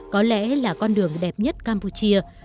có lẽ là con đường đẹp nhất campuchia